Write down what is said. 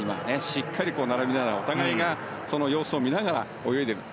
しっかり並びながらお互いが様子を見ながら泳いでいる。